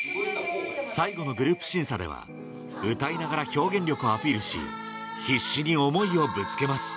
最後のでは歌いながら表現力をアピールし必死に思いをぶつけます